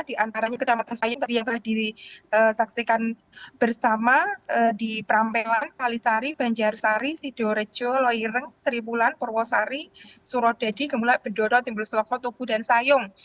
di antaranya kecamatan sayung yang telah disaksikan bersama di prampe lahan kalisari banjar sari sido rejo loireng seripulan purwosari surodadi gemulai bendoro timbulusuloko tubuh dan sayung